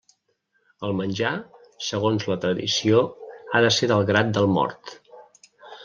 El menjar, segons la tradició, ha de ser del grat del mort.